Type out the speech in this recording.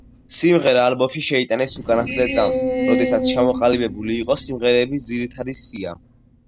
სიმღერა ალბომში შეიტანეს უკანასკნელ წამს, როდესაც ჩამოყალიბებული იყო სიმღერების ძირითადი სია.